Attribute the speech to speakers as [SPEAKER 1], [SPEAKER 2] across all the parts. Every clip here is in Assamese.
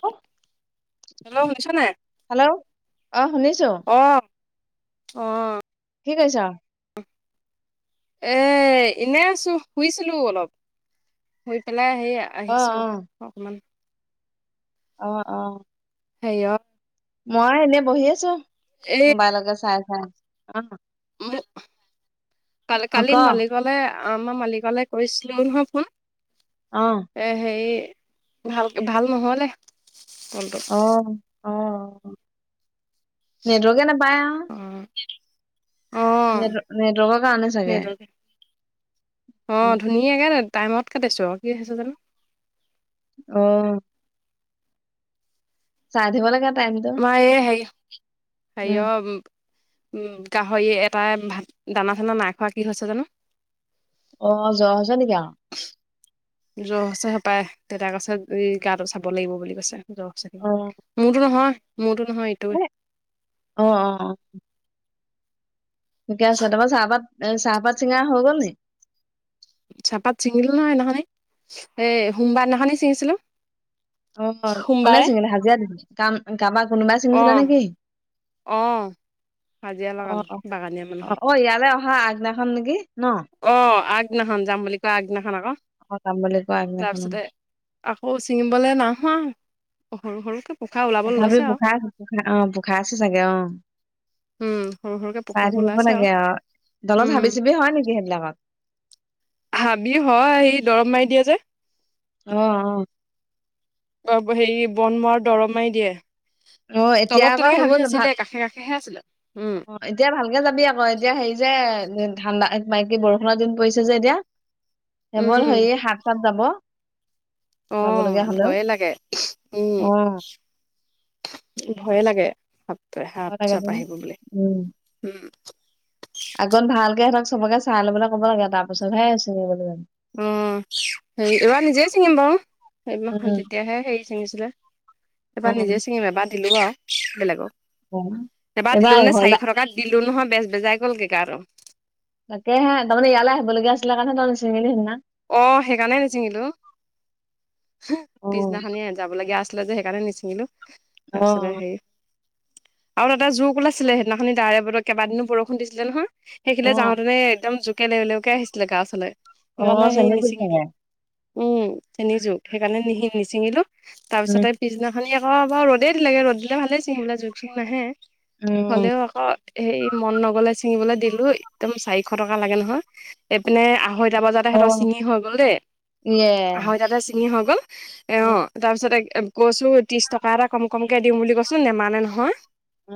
[SPEAKER 1] হ
[SPEAKER 2] হেল্ল শুনিছা নাই
[SPEAKER 1] হেল্ল' অ শুনিছো
[SPEAKER 2] অ
[SPEAKER 1] কি খাইছা
[SPEAKER 2] এ এনে আছো শুইছিলো অলপ শুই পেলাই হেইয়ে
[SPEAKER 1] অ
[SPEAKER 2] আহিছো অকমান
[SPEAKER 1] অঁ অঁ।
[SPEAKER 2] স [inaudible]
[SPEAKER 1] মই এনেই বহি আছোঁ
[SPEAKER 2] এই
[SPEAKER 1] মোবাইলকে চাই চাই অ
[SPEAKER 2] উম কা
[SPEAKER 1] অ
[SPEAKER 2] কালি
[SPEAKER 1] ক
[SPEAKER 2] মালিকলে আমাৰ মালিকলে কৰিছিলো নহয় ফোন।
[SPEAKER 1] অ
[SPEAKER 2] এ হেৰি ভাল ভাল নহলে। কলটো
[SPEAKER 1] অ', অ'। নেটৱৰ্কে নাপায়।
[SPEAKER 2] অ', অ
[SPEAKER 1] নেট নেটৱৰ্কৰ কাৰণে চাগে
[SPEAKER 2] নেটৱৰ্ক অ ধুনীয়াকে নে টাইমত কাটিছোঁ আৰু কি হৈছে জানো?
[SPEAKER 1] অ চাজ দিব লাগে টাইমটো
[SPEAKER 2] মাৰ হে হে
[SPEAKER 1] উম
[SPEAKER 2] অ উম গাহৰি। তাই ভাত দানা-চানা নাইখোৱা কি হৈছে জানো?
[SPEAKER 1] অ', জ্বৰ হৈছে নেকি অ'।
[SPEAKER 2] জ্বৰ হৈছে হপায় দেউতাক আছে গা চাব লাগিব বুলি কৈছে। জৰ
[SPEAKER 1] অ
[SPEAKER 2] মোৰতো নহয়। মোৰতো নহয় এইটো
[SPEAKER 1] এ, অ', অ', অ'। ঠিকে আছে তোমাৰ চাহপাত চাহপাত চিঙা হৈ গ'ল নেকি?
[SPEAKER 2] চাহপাত চিঙিলো নহয় সেইদিনাখনি এ সোমবাৰ দিনাখনি ছিঙিছিলোঁ।
[SPEAKER 1] অ কোনে চিঙিলে হাজিৰা দিল ক কাৰবা কোনোবাই ছিঙিছিলে নেকি?
[SPEAKER 2] আহ হাজিয়া লগালোঁ বাগানীয়া মানুহক।
[SPEAKER 1] তই অহা আগদিনাখন নেকি? ন
[SPEAKER 2] অ আগদিনাখন যাম বুলি কয় আগদিনাখন আকৌ
[SPEAKER 1] অ যাব বোলা আগ দিনাখন।
[SPEAKER 2] তাৰপিছতে আকৌ ছিঙিবলৈ নাহোৱা সৰু সৰুকে পোখা ওলাব লৈছে
[SPEAKER 1] তথাপিও
[SPEAKER 2] আৰু
[SPEAKER 1] পোখাই আছো পোখাই পোখাই আছো চাগে অ
[SPEAKER 2] উম সৰু সৰুকে
[SPEAKER 1] চাই
[SPEAKER 2] পোখাবোৰ
[SPEAKER 1] থাকিব
[SPEAKER 2] ওলাইছে
[SPEAKER 1] লাগে আৰু দলত
[SPEAKER 2] উম
[SPEAKER 1] হাবি চাবি হয় নেকি সেইবিলাকত
[SPEAKER 2] হাবি হয় আহি দৰৱ মাৰি দিয়ে যে।
[SPEAKER 1] অ, অ,
[SPEAKER 2] হেৰি বন মোৱাৰ দৰমাই দিয়ে।
[SPEAKER 1] অ এতিয়া
[SPEAKER 2] তলত
[SPEAKER 1] আক
[SPEAKER 2] তেনেকে হাবি
[SPEAKER 1] সেইবোৰ ভাল
[SPEAKER 2] নাছিলে কাষে কাষেহে আছিলে উম
[SPEAKER 1] অ এতিয়া ভালকে যাবি আকৌ এতিয়া হেৰি যে ঠাণ্ডা মাইকী বৰষুণৰ দিন পৰিছে যে এতিয়া
[SPEAKER 2] উম
[SPEAKER 1] এৱল সেইয়ে হাত চাত যাব
[SPEAKER 2] অহ
[SPEAKER 1] যাবলগীয়া হলেও
[SPEAKER 2] ভয়ে লাগে উম
[SPEAKER 1] অ
[SPEAKER 2] ভয়ে লাগে সাপ সাপ চাপ আহিব বুলি
[SPEAKER 1] উম
[SPEAKER 2] উম
[SPEAKER 1] আগত ভালকে সেতক চবকে চাই ল'ব কব লাগে, তাৰ পিছতহে আছে [unintelligible]
[SPEAKER 2] উম সেই এবাৰ নিজেই চিঙিম বাও এই মাখন তেতিয়াহে হেৰি চিঙিছিলে এবাৰ নিজে
[SPEAKER 1] উম
[SPEAKER 2] ছিঙিম এবাৰ দিলো আও
[SPEAKER 1] অ
[SPEAKER 2] বেলেগক এবাৰ
[SPEAKER 1] এইবাৰ
[SPEAKER 2] দিলো নে
[SPEAKER 1] ঘৰলে
[SPEAKER 2] চাৰিশ টকাত দিলো নহয় বেজ বেজাই গ'ল গে গাটো
[SPEAKER 1] তাকেহে তাৰমানে ইয়ালে আহিব লগিয়া আছিল কাৰণে তই নিচিঙিলি সিদিনা
[SPEAKER 2] অ', সেইকাৰণে নিচিঙিলো
[SPEAKER 1] অ',
[SPEAKER 2] পিছদিনাখনি যাবলগীয়া আছি আছিল যে সেইকাৰণে নিচিঙিলো তাৰপিছতে
[SPEAKER 1] অ',
[SPEAKER 2] হেৰি আৰু তাতে জোক ওলাইছিলে সেইদিনাখনি দাৱৰিয়া বতৰ কেইবাদিনো বৰষুণ দিছিলে নহয় সেইখিনিলে
[SPEAKER 1] অ',
[SPEAKER 2] যাওঁতেনে একদম জোকে লেলেওকে আহিছিলে গাও ওচৰলৈ সেইকাৰণে
[SPEAKER 1] অ',
[SPEAKER 2] সেই
[SPEAKER 1] চেনিছিল
[SPEAKER 2] নিচিঙিলো
[SPEAKER 1] চাগে
[SPEAKER 2] উম তেতিনি যুক সেইকাৰণে নিহি নিচিঙিলো তাৰ
[SPEAKER 1] উম,
[SPEAKER 2] পিছতে পিছদিনাখনি অ বাও ৰ'দেই দিলেগে ৰ'দ দিলে ভালেই চিঙিবলে জোখ চোন নাহে
[SPEAKER 1] উম,
[SPEAKER 2] হ'লেও আকৌ সেই মন নগলে ছিঙিবলৈ দিলো একদম চাৰিশ টকা লাগে নহয় এইপিনে আঢ়ৈ টা সেত
[SPEAKER 1] অ'।
[SPEAKER 2] চিঙি হৈ গ'ল দেই
[SPEAKER 1] ইয়ে।
[SPEAKER 2] আঢ়ৈ তাতে চিঙি হৈ গ'ল অ
[SPEAKER 1] উম,
[SPEAKER 2] তাৰপিছতে কৈছো ত্ৰিছ টকা এটা কম কমকে দিম বুলি কৈছোঁ নেমানে নহয়।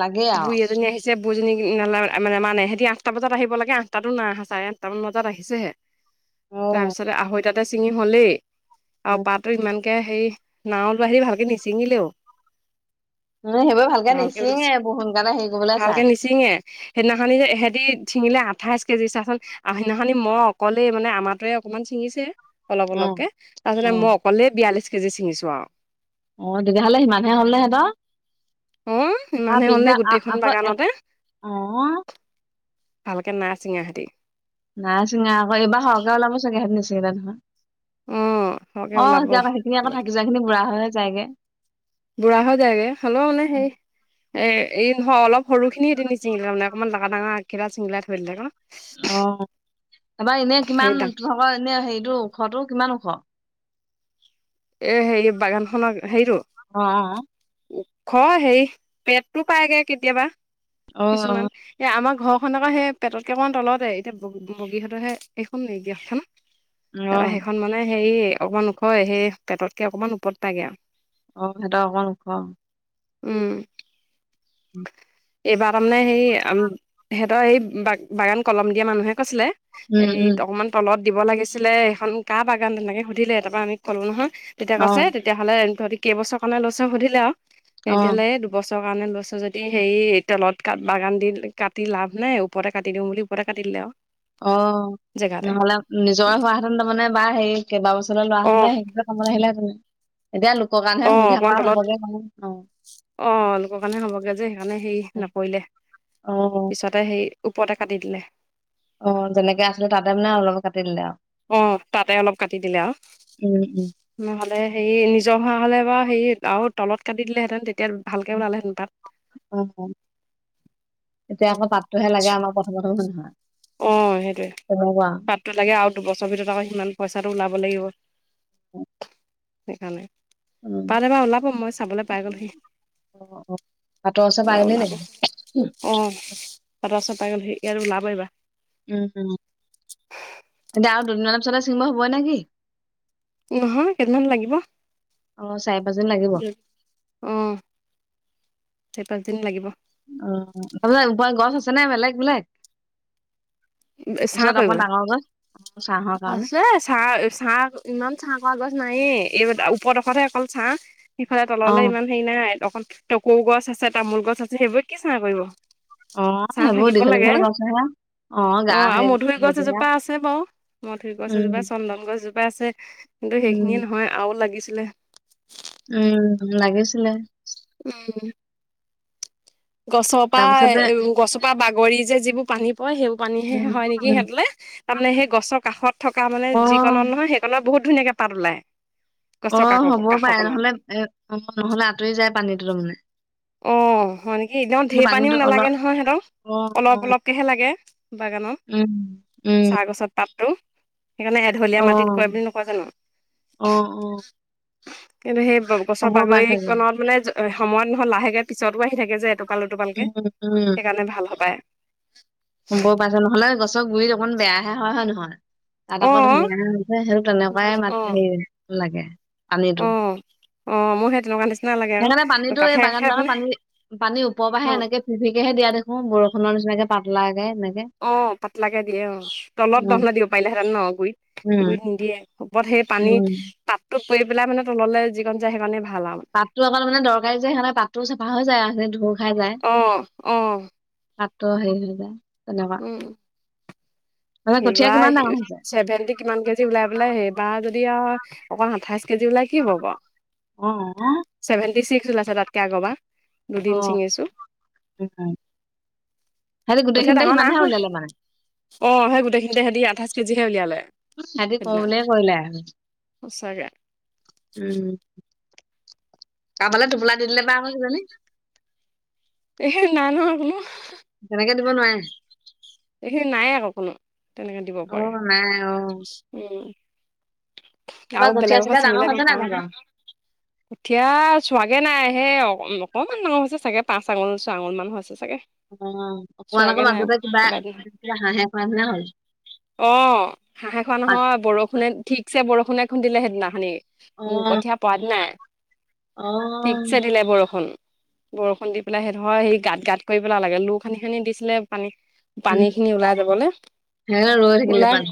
[SPEAKER 1] লাগে আৰু।
[SPEAKER 2] বুজনীকি না-মানে মানে সিহঁতি আঠটা বজাত আহিব লাগে আঠটাতো নাই অহা চাৰে আঠটা মান বজাত আহিছেহে।
[SPEAKER 1] অ'।
[SPEAKER 2] তাৰপিছতে আঢ়ৈ তাতে ছিঙি হলেই আৰু
[SPEAKER 1] উম,
[SPEAKER 2] পাতো ইমান। কে হেৰি নাওঁত আহি ভালকে নিছিঙিলেও।
[SPEAKER 1] উম সেইবোৰ ভালকে নিচিঙে বুৰ সোনকালে হেৰি কৰিবলৈ
[SPEAKER 2] ভালকে
[SPEAKER 1] চাই।
[SPEAKER 2] নিচিঙে সেইদিনাখনি যে সিহঁতি চিঙিলে আঠাইশ কেজি চাচোন আৰু সেইদিনাখনি মই অকলেই মানে আমাৰ। তাৰে অকনমান ছিঙিছে অলপ
[SPEAKER 1] উম,
[SPEAKER 2] অলপকে তাৰপিছত
[SPEAKER 1] উম।
[SPEAKER 2] মই অকলেই বিয়াল্লিশ কেজি চিঙিছো আৰু।
[SPEAKER 1] অ' তেতিয়াহ'লে সিমান হে হলনে সিহঁতৰ?
[SPEAKER 2] অ ইমানে হ'লনে গোটেইখন
[SPEAKER 1] [unintelligible]
[SPEAKER 2] বাগানতে
[SPEAKER 1] অ।
[SPEAKER 2] ভালকে নাই ছিঙা সিহঁতি।
[SPEAKER 1] নাই চিঙা আকৌবাৰ সৰহকে ওলাব চাগে নিছিঙিলে
[SPEAKER 2] অ সৰহকে
[SPEAKER 1] নহয়। অ
[SPEAKER 2] ওলাব
[SPEAKER 1] এতিয়া আকৌ সেইখিনি আকৌ থাকি যোৱা খিনি বুঢ়া হৈ যায়গে।
[SPEAKER 2] বুঢ়া হৈ যায়গে হ'লেও মানে সেই। এ এই হেৰি নহয় অলপ সৰু খিনি হিহতে চিঙিলা মানে অকমান ডাঙা ডাঙা আধা চিঙিলাই থৈ দিলে নহ।
[SPEAKER 1] অ' এবাৰ এনে
[SPEAKER 2] সেই
[SPEAKER 1] কিমান
[SPEAKER 2] ডাঙ
[SPEAKER 1] তোমালোকৰ এনে হেৰিটো ওখটো কিমান ওখ?।
[SPEAKER 2] এ, হেৰি, বাগানখনক হেৰিটো?
[SPEAKER 1] অ',
[SPEAKER 2] ঘৰৰ হেৰি পেটটো পায়গে, কেতিয়াবা
[SPEAKER 1] অ',
[SPEAKER 2] কিছুমান এ আমাৰ। ঘৰ খন আকৌ সেই পেটতকে অকণমান তলতে এতিয়া বগীহঁতৰ হে সেইখন এইখন নেকি গেটখন।
[SPEAKER 1] অ',
[SPEAKER 2] তাৰপৰা
[SPEAKER 1] অ',
[SPEAKER 2] সেইখন মানে হেৰি অকমান ওখ সেই পেটতকে অকমান ওপৰত পাইগে আৰু।
[SPEAKER 1] অ' সেইটো অকমান ওখ।
[SPEAKER 2] উম।
[SPEAKER 1] হুম।
[SPEAKER 2] এইবাৰ তাৰমানে হেৰি সিহঁতৰ সেই বাগান কলম দিয়া মানুহে কৈছিলে।
[SPEAKER 1] উম,
[SPEAKER 2] এই
[SPEAKER 1] উম,
[SPEAKER 2] অকনমান তলত দিব লাগিছিলে সেইখন কাৰ বাগান তেনেকে সুধিলে তাৰ পৰা আমি ক'লো নহয়। তেতিয়া কৈছে
[SPEAKER 1] অ',
[SPEAKER 2] তেতিয়াহ'লে তহঁতি কেইবছৰ কাৰণে লৈছ সুধিলে আৰু
[SPEAKER 1] অ',
[SPEAKER 2] তেতিয়াহ'লে দুবছৰ। ৰ কাৰণে লৈছোঁ যদি হেৰি তেলত কাট-বাগান দি কাটি লাভ নাই ওপৰতে কাটি দিওঁ বুলি ওপৰতে কাটি দিলে আৰু।
[SPEAKER 1] অ'
[SPEAKER 2] জেগাতে
[SPEAKER 1] নহ'লে নিজৰে হোৱাহেতেন তাৰমানে বা হেৰি কেইবা বছৰ লোৱা
[SPEAKER 2] অ
[SPEAKER 1] হেতেনে সেইকেইখন। কমলা আহিলে জানো? এতিয়া লোকৰ কাৰণেহে
[SPEAKER 2] অ
[SPEAKER 1] সুবিধা
[SPEAKER 2] অকমান
[SPEAKER 1] কৰা
[SPEAKER 2] তলত
[SPEAKER 1] হবগে জানে অ।
[SPEAKER 2] অ' লোকৰ কাৰণে হবগে যে সেইকাৰণে হেৰি নকৰিলে।
[SPEAKER 1] অ',
[SPEAKER 2] পিছতে সেই। ওপৰতে কাটি দিলে।
[SPEAKER 1] অ যেনেকে আছিলে তাতে মানে অলপ কাটি দিলে আৰু।
[SPEAKER 2] অ' তাতে অলপ কাটি দিলে আৰু।
[SPEAKER 1] উম, উম,
[SPEAKER 2] নহ'লে হেৰি নিজৰ হোৱা হ'লে বা হেৰিত আৰু তলত কাট। দিলেহেঁতেন তেতিয়া ভালকে ওলালেহেঁতেন তাত।
[SPEAKER 1] অ'। অ এতিয়া আকৌ পাতটোহে লাগে আমাক প্ৰথম প্ৰথম মানে।
[SPEAKER 2] অ' সেইটোৱেই। পাতটো লাগে আৰু দুবছৰ ভিতৰত আকৌ সিমান পইচাটো ওলাব লাগিব। সেইকাৰণে
[SPEAKER 1] উম,
[SPEAKER 2] পাত এবাৰ ওলাব মই চাবলৈ পাই গ'লহি।
[SPEAKER 1] অ', অ', পাতৰ ওচৰ পাইগ'লেই
[SPEAKER 2] ওলাব।
[SPEAKER 1] লাগিব
[SPEAKER 2] অ' পাটচ। পাইগল সি এতিয়াৰ ওলাব এইবাৰ।
[SPEAKER 1] উম, উম, এতিয়া আৰু দুদিনমান পিছতে চিঙিব হবই নেকি?
[SPEAKER 2] নহয়, কেইদিনমান লাগিব।
[SPEAKER 1] অ চাৰি পাঁচদিন লাগিব।
[SPEAKER 2] অ চাৰি পাঁচদিন লাগিব।
[SPEAKER 1] অ' বলে উপৰে গছ আছেনে বেলেগ বেলেগ?
[SPEAKER 2] চাহ
[SPEAKER 1] ওচৰত অকমান
[SPEAKER 2] কৰিবলে
[SPEAKER 1] ডাঙৰ গছ। অ ছাঁহৰ কাৰণে
[SPEAKER 2] আছে চাহ-চাহ-ইমান ছাহ পৰা গছ নাইয়ে এই আৰু ওখ। ওপৰডোখৰহে অকল ছাঁ সিফালে
[SPEAKER 1] অ
[SPEAKER 2] তললেই ইমান হেৰি নাই অকণ। টকৌ গছ আছে, তামোল গছ আছে, সেইবোৰে কি চাহ কৰিব?
[SPEAKER 1] অ সেইবোৰ দীঘল দীঘল গছ নহয়
[SPEAKER 2] অহ, আৰু মধুুৰী গছ এজোপা আছে বাৰু। মধুৰী গছ এজোপা,
[SPEAKER 1] উম
[SPEAKER 2] চন্দন গছজোপা আছে কিন্তু
[SPEAKER 1] উম
[SPEAKER 2] সেইখিনিয়ে নহয় আৰু লাগিছিলে।
[SPEAKER 1] উম লাগিছিলে।
[SPEAKER 2] উম গছৰ পৰা
[SPEAKER 1] তাৰপিছতে
[SPEAKER 2] এ অ গছ। বা বাগৰি যে যিবোৰ পানী পৰে সেইবোৰ পানীহে
[SPEAKER 1] উম
[SPEAKER 2] হয় নিকি
[SPEAKER 1] উম
[SPEAKER 2] সিহঁতলে তাৰমানে সেই গছৰ কাষত। থকা মানে
[SPEAKER 1] অ
[SPEAKER 2] যিকণত নহয় সেইকণত বহুত ধুনীয়াকে পাত ওলায়।
[SPEAKER 1] অ হ'ব পাৰে নহলে এ অ নহলে আঁতৰি যায় পানীটোৰ মানে
[SPEAKER 2] অ হয় ন। এদম ঢেৰ পানীও নালাগে
[SPEAKER 1] অলপ
[SPEAKER 2] নহয় সিহঁতক
[SPEAKER 1] অ
[SPEAKER 2] অলপ
[SPEAKER 1] অ
[SPEAKER 2] অলপকেহে লাগে বাগানত
[SPEAKER 1] উম উম
[SPEAKER 2] চাহ গছত। [unintelligible] সেইকাৰণে এঢলীয়া
[SPEAKER 1] অ
[SPEAKER 2] মাটিত কয় বুলি নকয় জানো।
[SPEAKER 1] অ অ
[SPEAKER 2] কিন্তু সেই গছৰ
[SPEAKER 1] হ'ব পাৰে চাগে
[SPEAKER 2] বাগৰিকনত মানে, সময়ত নহয় লাহেকে পিছতো আহি থাকে যে এই পালো টোপালকে।
[SPEAKER 1] উম
[SPEAKER 2] সেইকাৰণে ভাল হবাই
[SPEAKER 1] ৰুব পাইছিলো হলে গছৰ গুৰিত অকণ বেয়াহে হয় নহয় তাত
[SPEAKER 2] অ
[SPEAKER 1] আকৌ ধুনীয়া আছে সেই তেনেকুৱাই
[SPEAKER 2] অ
[SPEAKER 1] মাত হেৰি লাগে। আনিলো
[SPEAKER 2] মই সেই তেনেকুৱা নিচিনা লাগে আকৌ
[SPEAKER 1] সেনকা পানীটো এই
[SPEAKER 2] কাষে কাষে
[SPEAKER 1] বাগান বিলৰ
[SPEAKER 2] মানে
[SPEAKER 1] পানী, পানী ওপৰ পৰাহে
[SPEAKER 2] অ',
[SPEAKER 1] এনেকে ফিফিকেহে দিয়া দেখো বৰষ সোনৰ নিচিনাকে পাত উলাই
[SPEAKER 2] অ পাতলাকে দিয়ে। অ তলত
[SPEAKER 1] উম
[SPEAKER 2] নহলে দিব পাৰিলেহেঁতেন গুৰিত গুৰিত
[SPEAKER 1] উম
[SPEAKER 2] নিদিয়ে বত সেই পানী
[SPEAKER 1] উম
[SPEAKER 2] পাততোত পৰি পেলাই মানে তললৈ যিকণ যায় সেইকণে ভাল। আৰু
[SPEAKER 1] পাতটো অকল মানে দৰকাৰী যে সেকানে পাতটো চাফা হৈ যায় আৰু ধু
[SPEAKER 2] অহ, অহ,
[SPEAKER 1] মাত্ৰ হেৰি হৈ যায় তেনেকুৱা, মানে কঠীয়া কিমান
[SPEAKER 2] সিবাৰ
[SPEAKER 1] ডাঙৰ হৈছে?
[SPEAKER 2] ছেভেন্টি কিমান কেজি ওলাই পেলাই এইবাৰ যদি দিয়া অকল আঠাইশ কেজি ওলাই কি হ'ব বাৰু,
[SPEAKER 1] অ অ
[SPEAKER 2] চ তাতকে আগবাৰ দুদিন
[SPEAKER 1] অ
[SPEAKER 2] ছিঙিছো,
[SPEAKER 1] উম সিহঁতি
[SPEAKER 2] কঠীয়া
[SPEAKER 1] গোটেইখিনিতে
[SPEAKER 2] ডাঙৰ নাই
[SPEAKER 1] সিমানহে
[SPEAKER 2] হোৱা
[SPEAKER 1] উলিয়ালে মানে
[SPEAKER 2] অহ সেই গোটেইখিনিতে সিহতে আঠাইশ কেজিহে উলিয়ালে।
[SPEAKER 1] আজি কও
[SPEAKER 2] সেইদিনা
[SPEAKER 1] বুলি এ কৰিলে।
[SPEAKER 2] সঁচাকে
[SPEAKER 1] উম কাৰোবালে টোপোলা দি দিলে বা সেইজনি
[SPEAKER 2] এ নাই নহয় কোনো।
[SPEAKER 1] তেনেকে দিব নোৱাৰে।
[SPEAKER 2] এইখিনি নাই আকৌ কোনো। তেনেকে দিব
[SPEAKER 1] অ
[SPEAKER 2] পৰাকে।
[SPEAKER 1] নাই অ
[SPEAKER 2] উম,
[SPEAKER 1] তাৰপৰা
[SPEAKER 2] আৰু
[SPEAKER 1] কঠীয়া
[SPEAKER 2] বেলেগৰ পৰা
[SPEAKER 1] চঠীয়া
[SPEAKER 2] চিঙিলে
[SPEAKER 1] ডাঙৰ
[SPEAKER 2] গম
[SPEAKER 1] হৈছে নাই
[SPEAKER 2] পাও নহয়।
[SPEAKER 1] তহঁতৰ
[SPEAKER 2] কঠিয়া চোৱাগে নাই। হে অ অকণমান ডাঙৰ হৈছে চাগে পাঁচ আঙুল ছয় আঙুল মান হৈছে চাগে চাগে,
[SPEAKER 1] অ অকমান আকৌ
[SPEAKER 2] চোৱাগে নাই।
[SPEAKER 1] মাজতে কিবা
[SPEAKER 2] য়,
[SPEAKER 1] কিবা হাঁহে খোৱা নিচিনা হ'ল
[SPEAKER 2] অ হাঁহে খোৱা
[SPEAKER 1] পাত
[SPEAKER 2] নহয় বৰষুণে, ঠিকছে বৰষুণে খুন্দিলে সেইদিনাখনি।
[SPEAKER 1] অ
[SPEAKER 2] কঠীয়া পৰা দিনাই,
[SPEAKER 1] অ
[SPEAKER 2] ঠিকছে দিলে বৰষুণ। বৰষুণ দি পেলাই সেই ধৰ সেই গাঁত গাঁত কৰি পেলালে। লো খানি খানি দিছিলে পানী। পানী
[SPEAKER 1] উম
[SPEAKER 2] খিনি ওলাই যাবলৈ।
[SPEAKER 1] সেয়া ৰৈ থাকিলে
[SPEAKER 2] ওলাই,
[SPEAKER 1] পাত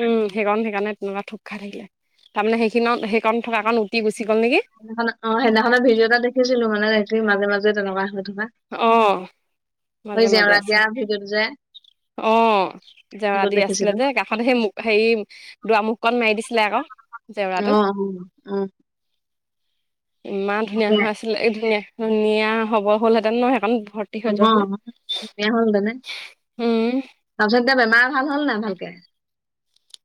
[SPEAKER 2] উম সেইকণ সেইকাৰণে তেনেকুৱা থোক খাই থাকিলে। তাৰমানে সেই সেইকণ থকাকণ উটি গৈছিলে
[SPEAKER 1] সেইদিনা অ সেইদিনানৰ ভিডিঅ' এটা দেখিছিলো মানে মাজে মাজে তেনেকুৱা হৈ।
[SPEAKER 2] অহ
[SPEAKER 1] হৈ জেওৰা দিয়া ভিডিঅটো যে
[SPEAKER 2] অ জেউৰা
[SPEAKER 1] সেইটোত
[SPEAKER 2] দি আছিলে
[SPEAKER 1] দেখিছিলো
[SPEAKER 2] যে কাষতে সেই হেৰি দুৱামুখকণ মাৰি দিছিলে আকৌ। জেওৰাটো
[SPEAKER 1] অ উ উম
[SPEAKER 2] ইমান ধুনীয়া হা আছিলে এ ধুনীয়া ধুনীয়া হবৰ হ'লহেতেন ন সেইকণ। ভৰ্তি
[SPEAKER 1] অ
[SPEAKER 2] হৈ যোৱা হ'লে
[SPEAKER 1] ধুনীয়াই হল তেনে
[SPEAKER 2] উম
[SPEAKER 1] তাৰপিছত এতিয়া বেমাৰ ভাল হল নাই ভালকে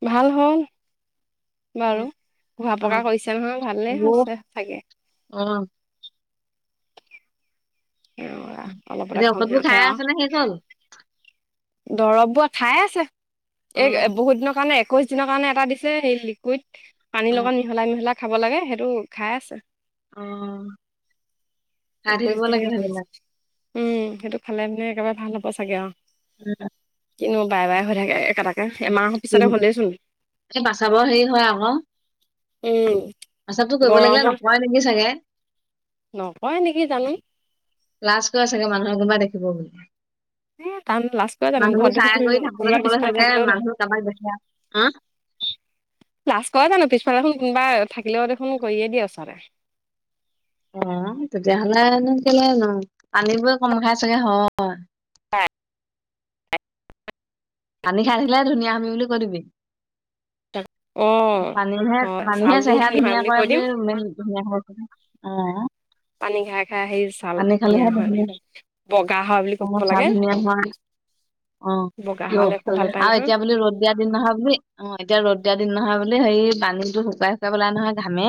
[SPEAKER 2] ভাল হ'ল
[SPEAKER 1] অ
[SPEAKER 2] বাৰু ঘুৱা
[SPEAKER 1] অ
[SPEAKER 2] পকা কৰিছে নহয়
[SPEAKER 1] অ
[SPEAKER 2] ভালেইচে চাগে
[SPEAKER 1] অ
[SPEAKER 2] উ অলপতে
[SPEAKER 1] এতিয়া
[SPEAKER 2] খং
[SPEAKER 1] ঔষধবোৰ
[SPEAKER 2] উঠে
[SPEAKER 1] খাই
[SPEAKER 2] আওঁ
[SPEAKER 1] আছে নে শেষ হ'ল
[SPEAKER 2] দৰৱ বোৱা খাইয়ে আছে
[SPEAKER 1] অ
[SPEAKER 2] এই বহুত দিনৰ কাৰণে একৈশ দিনৰ কাৰণে এটা দিছে সেই লিকুইড
[SPEAKER 1] অ
[SPEAKER 2] পানীৰ লগত মিহলাই মিহলাই খাব লাগে সেইটো খাইয়ে আছে
[SPEAKER 1] অ গা ধূ
[SPEAKER 2] একৈশ
[SPEAKER 1] ইব
[SPEAKER 2] দিন
[SPEAKER 1] লাগে
[SPEAKER 2] খাবলৈ
[SPEAKER 1] সেইবিলাক
[SPEAKER 2] উম সেইটো খালে মানে একেবাৰে ভাল হ'ব চাগে অ
[SPEAKER 1] উম
[SPEAKER 2] কন্তু বাই বাই হৈ থাকে একেটাকে এমাহৰ পিছতে
[SPEAKER 1] উম,
[SPEAKER 2] হ'লেইচোন
[SPEAKER 1] এই প্ৰস্ৰাৱৰ
[SPEAKER 2] উম
[SPEAKER 1] পেচাপতো কৰিব লাগিলে
[SPEAKER 2] গৰমত
[SPEAKER 1] নপই নেকি চাগে
[SPEAKER 2] নকয় নেকি জানো
[SPEAKER 1] লাজকৈ কৰে চাগে কোনোবা মানুহে দেখিব বুলি
[SPEAKER 2] উ এই তান লাজষ্ট কৰা জানো ঘৰত
[SPEAKER 1] মানুহবোৰ চাই কৰি
[SPEAKER 2] দেখোন
[SPEAKER 1] থাকোতে
[SPEAKER 2] কোনোবা
[SPEAKER 1] থাকোতে
[SPEAKER 2] পিছফালে
[SPEAKER 1] চাগে
[SPEAKER 2] থাকিলেও ন
[SPEAKER 1] মানুহ কাৰোবাক দেখে আ,
[SPEAKER 2] [unintelligible] লাাজ কৰা জানো পিছফালে শু কোনোবা থাকিলেও দেখোন কৰিয়ে দিয়া ছাৰে
[SPEAKER 1] অ তেতিয়াহলেনো কেলে জানো পানী বোৰে কম খাই চাগে হয় পানী খাই দিলে ধুনীয়া আমি বুলি কৈ দিবি
[SPEAKER 2] ত
[SPEAKER 1] পানীহে পানীহে চেহেৰা
[SPEAKER 2] হয়
[SPEAKER 1] ধুনীয়া কৰে
[SPEAKER 2] কৈ দিম
[SPEAKER 1] বুলি মেন ধুনীয়াই অ
[SPEAKER 2] পানী খাই খাই আহি ছাল
[SPEAKER 1] পানী
[SPEAKER 2] নিয়া
[SPEAKER 1] খালেহে
[SPEAKER 2] হয়
[SPEAKER 1] ধুনীয়া,
[SPEAKER 2] বুলি ক বগা হয় বুলি ক'ব
[SPEAKER 1] অ', ছাল
[SPEAKER 2] লাগে
[SPEAKER 1] ধুনীয়া হয়। অ
[SPEAKER 2] বগা হ'লে খুব ভাল পায়
[SPEAKER 1] আও
[SPEAKER 2] নহয়
[SPEAKER 1] এতিয়া বুলি ৰ'দ দিয়া দিন নহয় বুলি অ এতিয়া ৰ'দ তেতিয়া দিন নহয় বোলে হে পানীতো শুকাই শুকাই বলাই নহয় ঘামে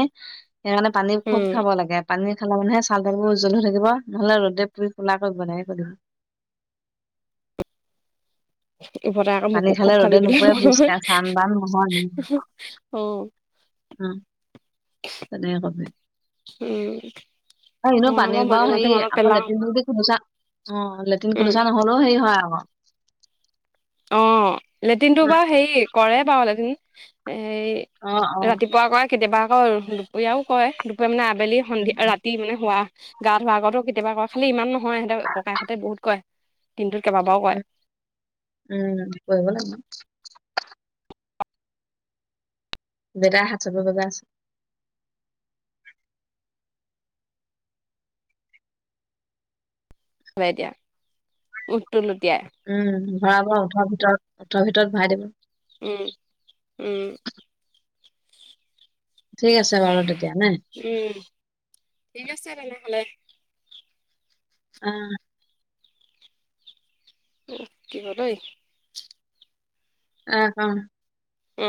[SPEAKER 1] সেইকাৰানে পানী খুব
[SPEAKER 2] উম
[SPEAKER 1] খাব লাগে পানী খালে মানে [unintelligible] [unintelligible]
[SPEAKER 2] উভতাই আকৌ
[SPEAKER 1] পানী
[SPEAKER 2] মোকো
[SPEAKER 1] খালে
[SPEAKER 2] খুব খাবি
[SPEAKER 1] ৰ'দে
[SPEAKER 2] বুলি
[SPEAKER 1] নুপুৰে
[SPEAKER 2] কব নহয়
[SPEAKER 1] [unintelligible] চান বান নহয় অ
[SPEAKER 2] অ
[SPEAKER 1] তেনেকে কম
[SPEAKER 2] উম
[SPEAKER 1] অ এনেও বা
[SPEAKER 2] মই বাৰু
[SPEAKER 1] পানীৰ
[SPEAKER 2] মাজে
[SPEAKER 1] সেই
[SPEAKER 2] মাজে মনত
[SPEAKER 1] আকৌ
[SPEAKER 2] পেলাও
[SPEAKER 1] লেট্ৰিন [unintelligible] অ লেট্ৰিন
[SPEAKER 2] উম
[SPEAKER 1] খুলচা নহলেও হেৰি হয় আক
[SPEAKER 2] অ' লেট্ৰিনটো বাৰু হেৰি কৰে বাৰু লেট্ৰিন হে
[SPEAKER 1] অ অ
[SPEAKER 2] ৰাতিপুৱা কৰে কেতিয়াবা আকৌ দুপৰীয়াও কয় দুপৰীয়া মানে আবেলি
[SPEAKER 1] উম
[SPEAKER 2] সন্ধিয়া ৰাতি মানে হোৱা গা ধোৱাৰ আগতো কেতিয়াবা কয় খালি ইমান নহয় সিহঁতক ককাই এ হঁতে বহুত কয় দিনটোত কেইবাবাও কয়
[SPEAKER 1] উম [unintelligible] বেতাই হাত চাপৰি বজাই আছে
[SPEAKER 2] বাই দিয়া উত
[SPEAKER 1] উম ভৰাব ওঠৰ ভিতৰত ওঠৰ ভিতৰত ভৰাই দিব
[SPEAKER 2] উম উওম
[SPEAKER 1] ঠিক আছে বাৰু তেতিয়া নে
[SPEAKER 2] উম ঠিক আছে তেনেহলে
[SPEAKER 1] অ
[SPEAKER 2] অ কি কেই দেই
[SPEAKER 1] এ অ
[SPEAKER 2] উম